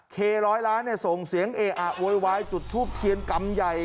เคร้อยล้านส่งเสียงเออะโวยวายจุดทูบเทียนกำใหญ่